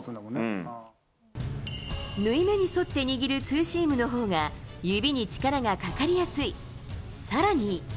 縫い目に沿って握るツーシームのほうが、指に力がかかりやすい。